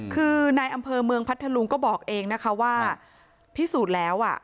คือนายอำเภอเมืองพัทธลุงก็บอกเองนะคะว่าพิสูจน์แล้วอ่ะ